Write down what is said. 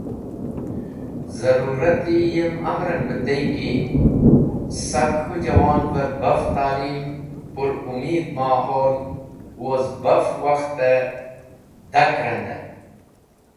Zarurati yem amrẽn be tey ki sak k̃hu Jawover baf Ta’lim; pur Umeedh Mahol woz baf wakhte dak randen.